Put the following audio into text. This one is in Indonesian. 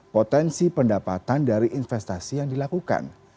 potensi pendapatan dari investasi yang dilakukan